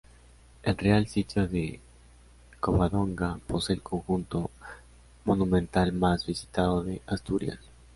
El Real Sitio de Covadonga posee el conjunto monumental más visitado de Asturias.